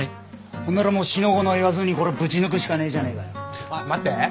そんならもう四の五の言わずにこれぶち抜くしかねえじゃねえかよ。あっ待って。